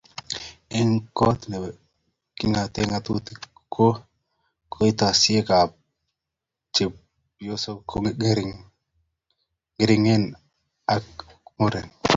Eng kot ne kingoten ngatutik ko koitosiekab chepyosok ko ngering ngekerkeit ak murenik